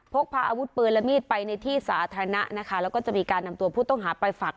พกพาอาวุธปืนและมีดไปในที่สาธารณะนะคะแล้วก็จะมีการนำตัวผู้ต้องหาไปฝัก